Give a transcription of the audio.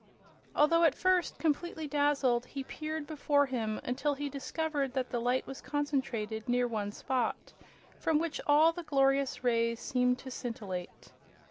Although at first completely dazzled, he peered before him until he discovered that the light was concentrated near one spot, from which all the glorious rays seemed to scintillate.